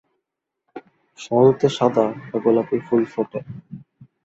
শরতে সাদা বা গোলাপি ফুল ফোটে।